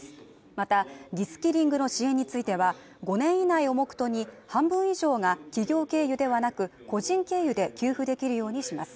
また、リスキリングの支援については５年以内を目途に半分以上が企業経由ではなく、個人経由で給付できるようにします。